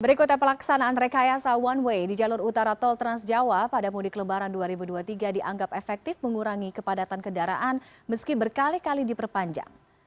berikutnya pelaksanaan rekayasa one way di jalur utara tol transjawa pada mudik lebaran dua ribu dua puluh tiga dianggap efektif mengurangi kepadatan kendaraan meski berkali kali diperpanjang